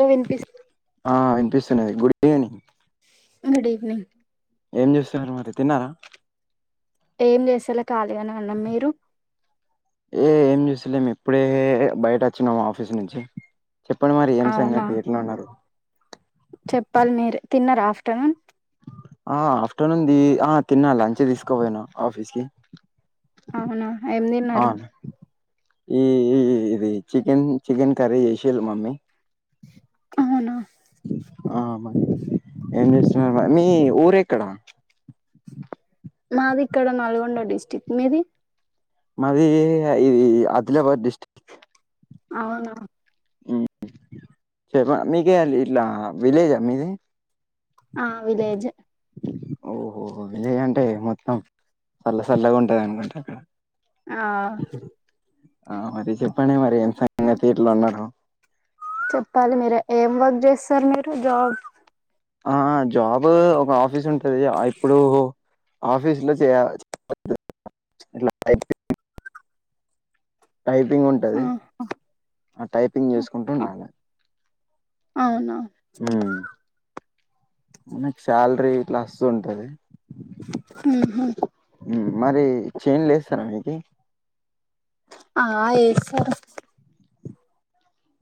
లో వినిపిస్ ఆ ఇనిపిస్తున్నది గుడ్ ఈవినింగ్ గుడీవినింగ్ ఏం చేస్తున్నారు మరి తిన్నారా ఏం చేస్తాలే కాళీగా నే ఉన్నాం మీరు ఏ ఏం చేస్తలేము ఇప్పుడే బయట వచ్చినమ్ ఆఫీస్ నుంచి చెప్పండి మరి ఏం అవునా సంగతి ఎట్లా ఉన్నారు చెప్పాలి మీర్ తిన్నారు ఆఫ్టర్నూన్ ఆ ఆఫ్టర్నూన్ ది ఆ తిన్నా లంచ్ తీసుకోబొయిన ఆఫీస్ కి అవునా ఏం ఆ దిన్నారు ఈ ఈ ఇది చికెన్ చికెన్ కర్రీ చేషిర్రు మమ్మీ అవునా ఆ మ ఏం చేస్తున్నా మీ ఊరెక్కడా మాది ఇక్కడ నల్గొండ డిస్టిక్ట్ మీది మాది ఈ ఆదిలాబాద్ డిస్టిక్ట్ అవునా మ్మ్ చెమా మీగే అండి ఇట్లా విలేజా మీది ఆ విలేజ్ ఓహోహో ఎంజాయ్ అంటే మొత్తం సల్లసల్ల గుంటదన్మాట ఆ ఆ మరి చెప్పండి మరి ఏం సంగతిట్ల ఉన్నారు చెప్పాలి మీరే ఏం వర్క్ చేస్తారు మీరు జాబ్ ఆ జాబ్ ఒక ఆఫీస్ ఉంటది ఇప్పుడు ఆఫీస్ లో చెయాల ఇట్ల టైపింగ్ ఉంటది ఆ టైపింగ్ చేసుకుంటూ ఉండాలె అవునా మ్మ్ శాలరీ ఇట్లాస్తు ఉంటది ఊహు మ్మ్ మరి చైన్ లేస్తారాడికి ఆ ఏ సరు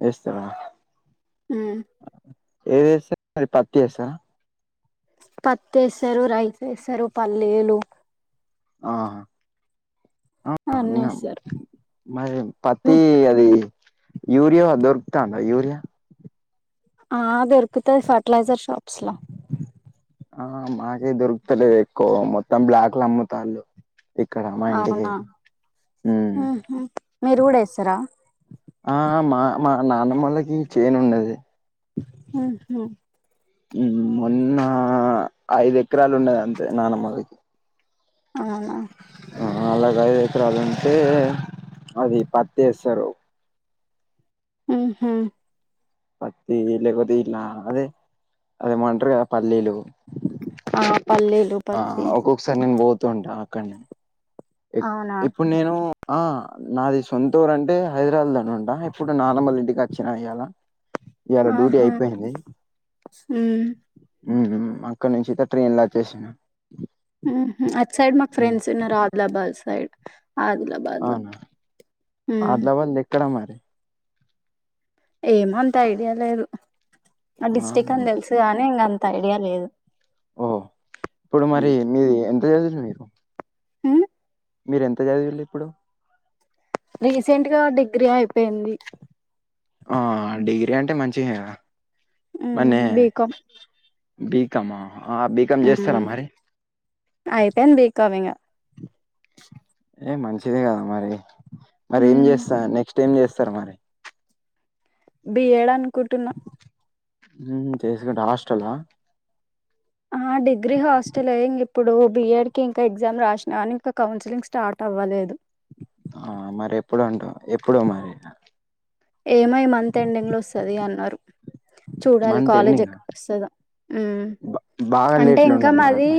ఏస్తరా హ్మ్ ఏదేస్తా మరి పత్తేసా పత్తేస్తరు రైస్ వేస్తరు పల్లీలు ఆహా అన్ని ఏస్తారు మీ పత్తి అది యూరియా దొరుకుతాంద యూరియా ఆ దొరుకుతాయి ఫర్టిలైజర్ షాప్స్ ల ఆ మాకే దొరుకుతలేదెక్కువ మొత్తం బ్లాక్లు అమ్ముతాల్లు ఇక్కడ మా ఇంటికి అవునా మ్మ్ ఉహు మీరు గూడా ఏస్తరా ఆ మా మా నాన్నమ్మొలకి చేను ఉండది ఆహ ఉహ్మ్ మొన్న ఐదు ఎకరాలు ఉండది అంతే నానమ్మవి. అవునా ఆ అలాగ ఐదు ఎకరాలు అంటే అది పత్ ఏస్తరు. ఉహుహ్ పత్తి లేగపోతే ఇలా అదే అదేమంటారు గా పల్లీలు ఆహ్ ఆ ఒక్కొక్కసారి నేన్ బోతుంటా అక్కడనే ఇప్ అవునా ఇప్పుడు నేను ఆ నాది సొంతూరు అంటే హైదరావాద్ లో ఇప్పుడు నాన్నమ్మ ఇంటికి వచ్చినా ఇయలా ఇయాలా డ్యూటీ ఆహా అయిపోయింది. ఉమ్ ఉహుహ్ అక్కడ నుంచైతే ట్రైన్ల వచ్చేసినా. ఉహుహ్ అట్ సైడ్ మాకు ఫ్రెండ్స్ ఉన్నారు ఆదిలాబాద్ సైడ్. అదిలా బాద్ల ఉహ్మ్ అక్కడ మరి ఏమో అంత ఐడియా లేదు ఆ డిస్టిక్ అని తెలుసు గానీ ఇంకా అంత ఐడియా లేదు. ఓహో ఇప్పుడు మరి ఉమ్ మీ ఎంత దెలుసు మీకు హుహ్ మీర ఎంత చదివిల్ ఇప్పుడు రీసెంట్ గా డిగ్రీ అయిపోయింది. ఆ డిగ్రీ అంటే మంచియే ఉమ్ మనే బీకామ్ బికామా ఆ బికమ్ ఉమ్ జేస్తారా మరి అయిపోయింది బీకామ్ ఇంగ ఏ మంచిది గదా మరి మరి ఏం ఉమ్ జేస్త్ స నెక్స్ట్ ఏం జేస్తారు మరి బి ఏడ్ అనుకుంటున్ ఉహుహ్ చేసుకుండా హస్టలా ఆ డిగ్రీ హాస్టలే ఇగా ఇప్పుడు బిఎడ్ కి ఇంకా ఎగ్జామ్ రాసినా కాని ఇంకా కౌన్సిలింగ్ స్టార్ట్ అవ్వలేదు. ఆ మరి ఎప్పుడు అంటా ఎప్పుడో మరి ఏమో ఈ మంత్ ఎండింగ్ లో వస్తది అన్నారు చూడాలి మంత్ కాలేజ్ ఎండింగా? ఎక్కడ వస్తదో హుమ్మ్ బ బాగా అంటే లేట్‌లో ఇంకా ఉన్నది మాది మరట్లా.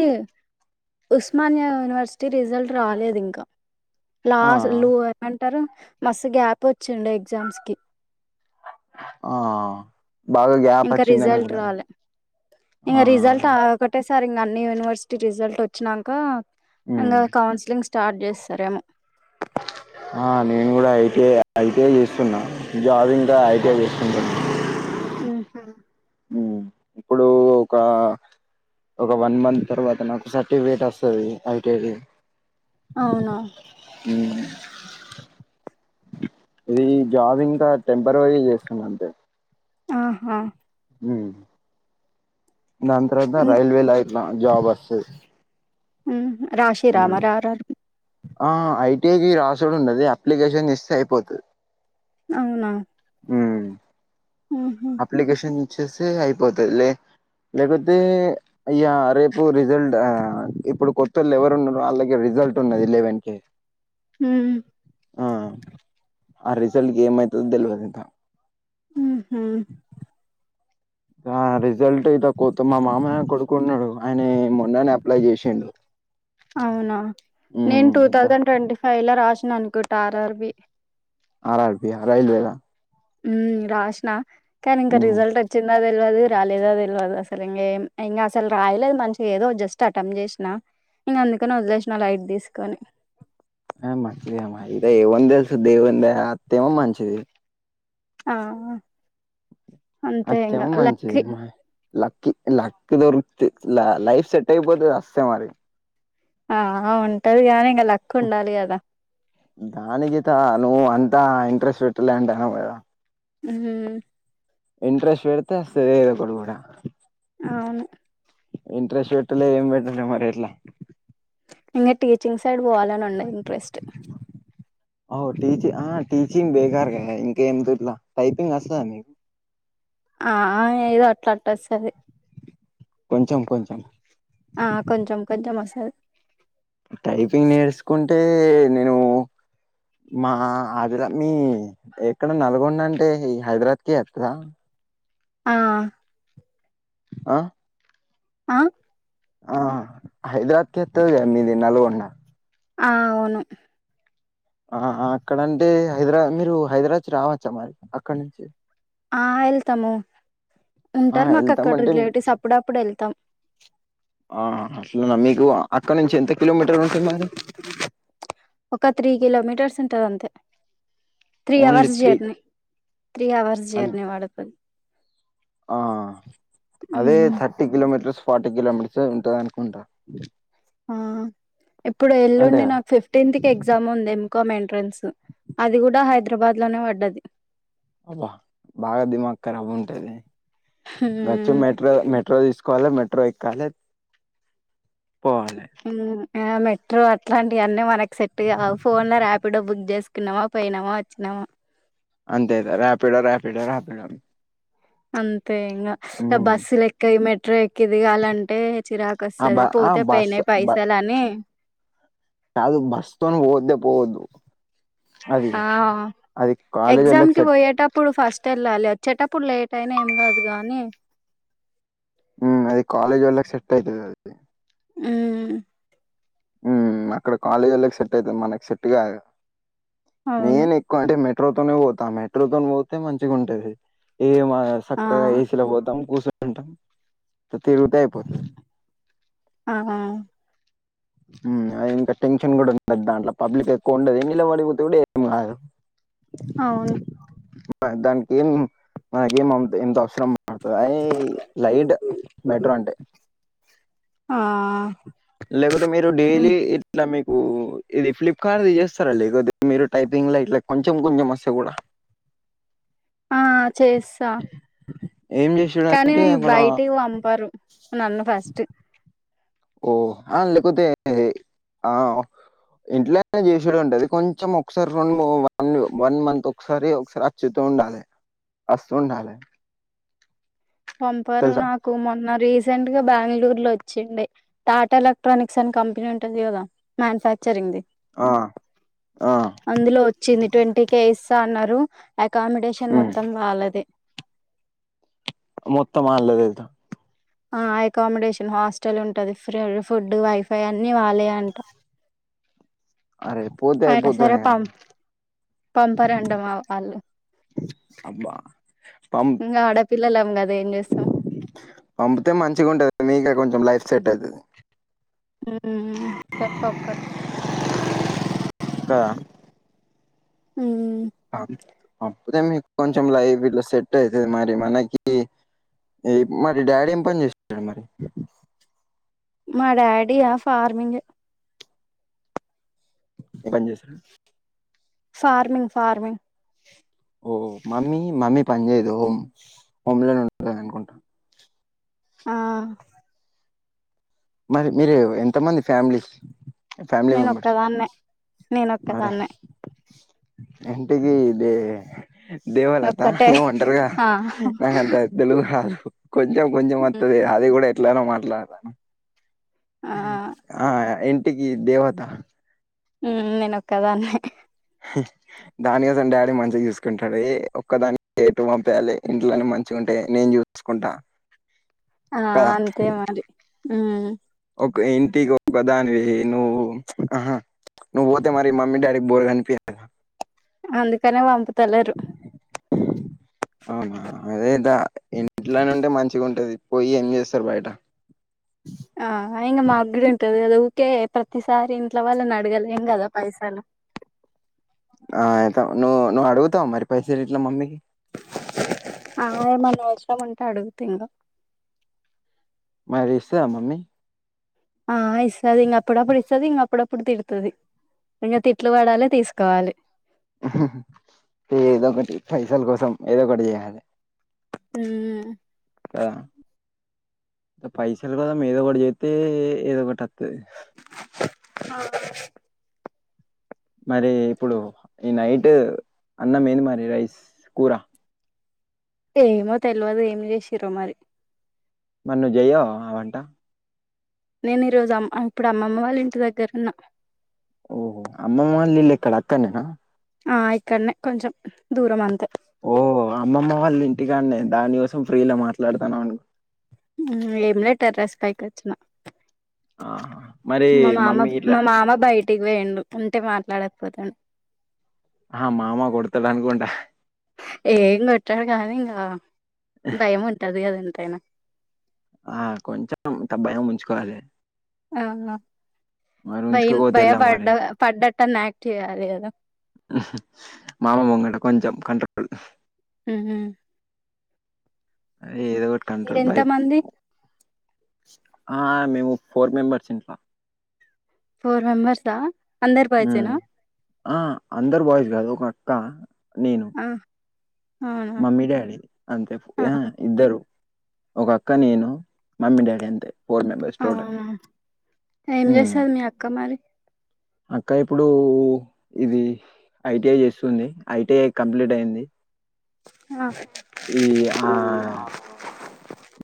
ఉస్మానీయా యూనివర్సిటీ రిజల్ట్ రాలేదు ఇంకా ఆ! లాస్ట్ లు ఏమన్ టారు మస్తు గ్యాప్ వచ్చుండే ఎగ్జామ్స్ కి ఆ బాగా గ్యాప్ వచ్చింది అనుకునేడ్ ఇంగా రిజల్ట్ ఆ ఒకటే సార్ ఇంగా అన్ని యూనివర్సిటీ రిజల్ట్ వచ్చినాక హ్మ్. ఇంగా కౌన్సిలింగ్ స్టార్ట్ జేస్తారేమో ఆ నేను కూడా ఐటిఐ ఐటీఐ ఏస్తున్నా జాబింగ్కా ఐటీఐ జేసుకుంటున్నా. ఉహుహ్ పోకా ఒక వన్ మంత్ తర్వాత నాకు సర్టిఫికేట్ వస్తది ఐటిఐడి అవునో ఉహ్ ఇది జాబింగ్ ఇంకా టెంపవరీ జేస్తుంది అంతే ఆహా ఉహ్ దాన్ తరువాత ఉమ్ రైల్వేలైట్లా జాబ్ వసద్ ఉహుహ్ రాశి రా మర్ ఆర్ ఆర్ ఆ ఐటిఐకి రాసిడు ఉండది అప్లిగేషన్ జేస్తే అయిపోతద్ అవునా మ్మ్ ఆహ అప్లికేషన్ ఇచ్చేస్తే అయిపోతది లే లేకపోతే అయ్యా రేపు రిజల్ట్ ఆ ఇప్పుడు కొత్తళ్ళెవరున్నరు ఆళగి రిజల్ట్ ఉన్నది లెవెన్ కి హ్మ్ ఆ ఆ రిజల్ట్ కేమైతదో దెలవదింక ఊహా ఆ రిజల్ట్ అయుతె కోత్త మామయ్య కొడుకున్నాడు ఆయనే మొన్ననే అప్లై చేషిండు అవునా నేను టూ ఇట థౌజండ్ ఇలా రాషిననుకుటా R R B R R B ఆ రైల్వేలా మ్మ్ రాష్నా కానీ ఇంక ఉమ్ రిజల్ట్ చింద తెల్వదు రాలేదా తెల్వదు అసలు ఇంగేం ఇంగ అసలు రాయలేదు మంచిగా ఏదో జస్ట్ అటెంప్ట్ జేషినా ఇంగ అందుకని వదిలేషిన లైట్ దీస్కోని ఇగ ఏవన్ దెల్సు దేవుని దయ అత్తేమో మంచిది ఆ అంతే ఇంగా లక్కీ లక్కీ లక్ దొరుకుతే లైఫ్ సెట్ అయిపోతే అస్తే మరి ఆహా ఉంటది గానీ ఇంగ లక్ ఉండాలి గదా కాని జితా నువ్వంతా ఇంట్రెస్ట్ పెట్టలే అంటే ఉహు ఇంట్రెస్ట్ పెడితే సరేద కొడు కుడా అవును ఇంట్రెస్ట్ పెట్టలే ఏం పెట్టలే మరెట్లా ఇంగ టీచింగ్ సైడ్ బోవాలనన్న ఇంట్రెస్ట్ ఓ టీచి ఆ టీచింగ్ బేగార్గా ఇంకేం ఇట్లా టైపింగ్ వస్తదా మీకు ఆ ఏదో అట్లట్ట వస్తది కొంచెం కొంచెం ఆ కొంచెం కొంచెం టైపింగ్ నేర్సుకుంటే నేను మా అదిరా మీ ఎక్కడ నల్గొండంటే ఈ హైదరద్కే ఆ ఆ ఆ ఆ హైదరాద్కే ఒత్తది ఎ మీది నల్గొండ ఆ అవును ఆహా అక్కడంటే హైదరా మీరు హైదరాచ్ రావచ్చా మరి అక్కడి నుంచి ఆ ఎళ్తము ఆ ఉంటారు మాకక్కడ వెళ్తామంటే రిలేటివ్స్ అప్పుడప్పుడెళ్తం ఆ అట్లన మీకు అక్కడ నుంచి ఎంత కిలోమీటర్ ఉంటుంది మరి ఒక త్రీ కిలోమీటర్స్ ఉంటదంతే three only hours three journey three hours అ జర్నీ వడతది ఆ అదే హ్మ్ థర్టీ కిలోమీటర్స్ ఫార్టీ కిలోమీటర్స్ ఉంటదనుకుంటా ఆ ఇప్పుడే ఎల్లుండి అంతేగా నాకు ఫిఫ్ టెన్త్ కి ఎగ్జామ్ ఉంది ఎమ్కామ్ ఎంట్రన్స్, అది గూడా హైదరాబాద్ లోనే వడ్డది. అబా! బాగ దిమాక్ ఖరాబ్ ఉంటది. మెట్రో హ్మ్ మెట్రో మెట్రో దీసుకోవాలె మెట్ ట్రై ఎక్కాలే, పోవాాలే. మ్ ఆ మెట్రో అట్లాంటివన్నీ మనకి సెట్గావు. ఫోన్ లో రాపిడో బుక్ జేసి తిన్నవా? పొయినవా? అచ్చినవా? అంతే ఇగ రాపిడో రాపిడో రాపిడో అంతే ఇంగ, ఆ ఉమ్. బస్సులెక్కై, మెట్రో ఎక్కి దిగాలంటే, చిరాకు క ఆ బ సరి ఆ పోతే బస్ పొయినయి బ పైసలు అనీ కాదు, బస్తోను పోవొద్దే పోవొద్దు. ఆ అది కాలేజ్ వాళ్ళకి ఎక్జామ్కి సెట్ బొయేటప్ ప్పుడు ఫస్ట్ ఎళ్ళాలి. అచ్చేటప్పుడు లేట్ అయినా, ఏం గాదు గానీ మ్ అది కాలేజోళ్లకి సెట్ అయితది అది. ఊమ్ మ్, అక్కడ కాలేజోళ్కకి సెట్ అయితది మనకు సెట్గాదు. అవును. నేనె ఎక్కో అంటే, మెట్రో తోనే బోతా. మెట్రో తోను బోతే, మంచిగ ఉంటది. ఏ మా గ ఆ! సక్కగా ఏసీలో బోతం, గూసుంటం, తిరుగితే అయిపోతది. అహా మ్, అది ఇంక టెన్షన్ గుడ ఉండదు దాంట్ల. పబ్లిక్ ఎక్కువ ఉండదు. నిలబడిబోతే గుడ ఏం గాదు. అవును. ఆ దానికి ఏం? ఆ గేమ్ మనకి ఎంత? ఫ్రం అయ్ లైట్ మెట్రో అంటే ఆ లేకపోతె మీరు డేలీ హ్మ్. ఇట్ల మీకూ ఇది ఫ్లిప్ కార్డ్ జేస్తరండి. కొద్ది మీరు టైపింగ్ల ఇట్ల కొంచెం కొంచెం వస్తే గూడ ఆ చేస్తా ఏం జే కనీ, బయటికి వంపరు నన్ను ఫస్ట్ ఓ! ఆ లేకపొతే ఆ ఇంట్లోనే జేసిన్రంట, అది కొంచెం ఒక సారి ఫోన్ మో వన్ వన్ మంత్ ఒక సారి ఒక సరాత్ చేత్తూ ఉండాలె, వస్తూ ఉండాలె. పంపారు తెలుసా నాకు, మొన్న రీసెంట్గ బ్యాంగ్ళూరులో ఒచ్చింది. టాటా ఎలక్ట్రానిక్స్ అని కంపెనీ ఉంటది గదా? మ్యానుఫ్యాక్చరింగ్ది. ఆ ఆ అందులో ఒచ్చింది టొంటికే ఇస్తా అన్నరు. అకామిడేషన్ ఉమ్. మొత్తం వాలదే. మొత్తం ఆళ్లదే ఇధ ఆ ఎకామిడేషన్ హాస్టల్ ఉంటది. ఫ్రీ, ఫుడ్, వైఫై, అన్నీ ఆళ్ళయే అంట. అరే పోతే, అయిపోతుండే గా మ పంపరండ మావ ఆళ్ళు, అబ్బా పం ఇంగ ఆడ పిల్లలం గదా, ఏం జేస్తం? పంపుతే, మంచిగా ఉంటది. మీకే కొంచెం లైఫ్ సెట్ అయితది. ఊమ్ పతొక్కరు కదా? ఊ అ అప్పుతేే మీకు కొంచెం లైవ్ ఇలా సెట్ అవుతుది మరి మనకి ఎపు మరి డాడీ ఏం పని చేస్తున్నారు. మా డాడీ ఆ ఫార్మింగ్ ఎటం చేసింది ఫార్మింగ్ ఫార్మింగ్ ఓహ మమ్మీ మమ్మీ పని చేయదు హోమ్ హోమ పని లోనే ఉంటు అనుకుంటాను ఆ మరి మీరు ఎంతమంది ఫ్యామిలీ. ఫ్యామిలీ నేను మెంబర్ ఒక్కదాన్నే నేను అరే ఒక్కదాన్నే ఇంటిగి దే దేవాలత ఒక్కటే ఏవో అంటార్గా ఆ నాకు అంతా తెలుగు కాదు కొంచెం కొంచెం వత్తది అది కూడా ఎట్లనో మాట్లాడతాను. ఆ ఆ ఇంటికి దేవత. నేను ఒక్కదాన్నే కా హ దాని కొ సం డాడీ మంచిగా చూసుకుంటాడు. ఒక్కదానికి ఎటు పంపేయాలి ఇంట్లోనే మంచిగా ఉంటే నేను చూ చూసుకుంటా ఆ కదా అంతే మరి ఉ ఒక ఇంటికి ఒక దానివి నువ్వు ఆహా నువ్వు పోతే మరి మమ్మి డాడి బోర్ గా అనిపియ్యదా, అందుకనే పంపుతలేరు. అవునా అదేదా ఇంట్లోనే ఉంటే మంచిగా ఉంటుది. పోయి ఏం చేస్తారు బయట ఆ ఆయినా మాగ్డు ఉంటది కదా ఊకే ప్రతిసారి ఇంట్లో వాళ్ళని అడగలేం కదా పైసలు ఆ అయితే నువ్వు నువ్వు అడుగుతావు మరి పైస ర ఇట్లా మమ్మీకి అ ఏమనవసరం ఉంటే అడుగుతున్న మరి ఇస్త మమ్మీ ఆ ఇస్తది అప్పుడప్పుడు ఇస్తది అప్పుడప్పుడు తిడుతుది. ఇంకా తిట్లు పడాలి తీసుకోవాలి ఏదో ఒకటి పైసల కోసం ఏదో ఒకటి చేయాలి. హు కదా పైసలు కదా ఏదో ఒకటి చేతే ఏదో ఒకటి వస్తుది. ఆ మరి ఇప్పుడు ఈ నైట్ అన్నమ ఏంది మరి రైస్ కూర ఏమో తెలియదు ఏంమి చేసిరోో మరి మరి నువ్వు జయవా ఆ వంట నేను ఈ రోజు అమ్మ ఇప్పుడు అమ్మమ్మ వాళ్ళ ఇంటి [unintelligible] ఓహో అమ్మమ్మ ఇళ్లు ఎక్కడ అక్కనేనా ఆ ఇక్కడనే కొంచెం దూరం అంతే ఓ అమ్మమ్మ వాళ్ళు ఇంటికాండేను దానికోసం ఫ్రీ లో మాట్లాడుతాను అను ఏం లేదు టెర్రస్ పైకి వచ్చిన ఆహా. మరి మా మామ మమ్మీ ఇట్లా మా మామ బయటికి పొయంండు ఉం టే మాట్లాడకపోతాను. ఆహ మామ కొడతాడు అనుకోంటా ఏం కొట్టాడు కానీ ఇంకా భయం ఉంటది కద ఎంతైనా ఆ కొంచెం తూ భయం ఉంచుకోవాలి. ఆ మరి భయం ఉంచుకోకపోతే ఎలా భయపడ్డ మరి పడ్డట్ని యాక్ట్య్యాలి కదా మామ ముంగంట కొంచెం కంట్రోల్ ఉహ అదే ఏదో ఒకటి కంట్రోల్ మీరెంత భయం మంది ఆ మేము ఫోర్ మెంబర్స్ ఉంటాం ఫోర్ మెంబర్స్ ఆ ఉ ఆ అందరు బాయ్స్ కాదు ఒక అక్క నేను ఆ అవునా మమ్మీ డాడీ అంతే ఆ ఇద్దరు ఒక అక్క నేను మమ్మీ డాడీ అంతే ఫోర్ మెంబర్స్ టోటల్ అవునా ఏం ఉ చేస్తది మీ అక్క మారి అక్క ఇప్పుడు ఇది ఐటిఐ చేస్తుంది ఐటిఐ కంప్లీట్ అయింది ఆ ఈ ఆ